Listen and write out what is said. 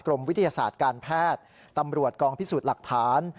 วิทยาศาสตร์การแพทย์ตำรวจกองพิสูจน์หลักฐาน